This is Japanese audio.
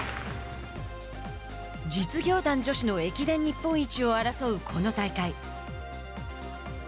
実業団女子の駅伝日本一を争うこの大会。